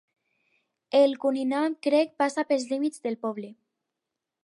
El Cunningham Creek passa pels límits del poble.